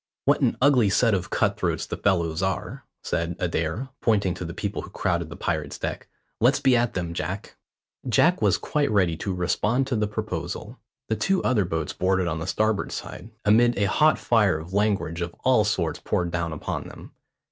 "What an ugly set of cut throats the fellows are," said Adair, pointing to the people who crowded the pirate's deck. "Let's be at them, Jack." Jack was quite ready to respond to the proposal. The two other boats boarded on the starboard side, amid a hot fire of langrage of all sorts poured down upon them.